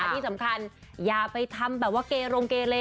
ที่สำคัญอย่าไปทำแบบว่าเกรงเกเล